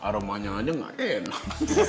aromanya aja gak enak